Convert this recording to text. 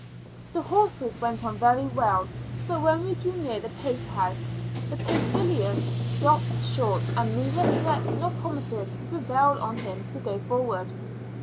The horses went on very well; but when we drew near the post house the postillion stopped short and neither threats nor promises could prevail on him to go forward.